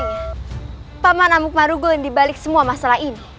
ternyata rupanya paman amuk marugul yang dibalik semua masalah ini